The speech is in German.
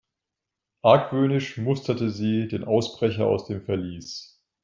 Argwöhnisch musterte sie den Ausbrecher aus dem Verlies.